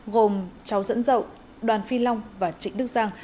gồm cháu dẫn dậu đoàn phi long và trịnh đức giang